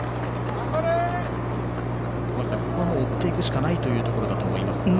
ここは追っていくしかないというところだと思いますが。